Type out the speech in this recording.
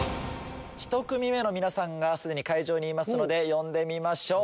１組目の皆さんがすでに会場にいますので呼んでみましょう。